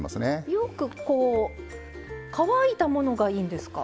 よく乾いたものがいいんですか？